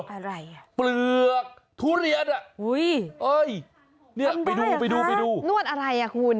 อะไรน่ะเปลือกทุเรียนน่ะอุ้ยทำได้หรอคะนวดอะไรน่ะคุณ